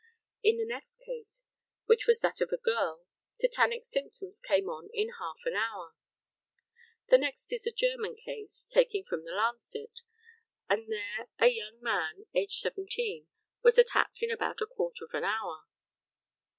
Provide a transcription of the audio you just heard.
In the next case, which was that of a girl, "tetanic symptoms came on in half an hour." The next is a German case, taken from the Lancet, and there a young man, aged 17, was "attacked in about a quarter of an hour."